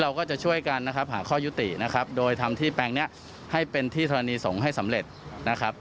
เราก็จะช่วยกันนะครับหาข้อยุตินะครับโดยทำที่แปลงนี้ให้เป็นที่ธรณีสงฆ์ให้สำเร็จนะครับ